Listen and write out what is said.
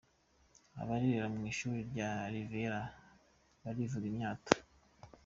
Abarerera mu ishyuri rya Riviera barivuga imyato.